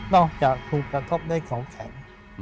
อกจากถูกกระทบด้วยของแข็ง